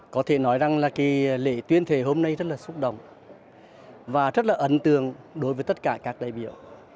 có thể nói rằng lễ tuyên thề hôm nay rất là xúc động và rất là ấn tượng đối với tất cả các đại biểu